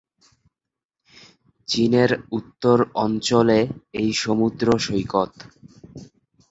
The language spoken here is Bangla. চীনের উত্তর অঞ্চলে এই সমুদ্র সৈকত।